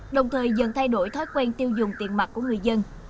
đồng thời dần thay đổi thói quen tiêu dùng tiền mặt của người dân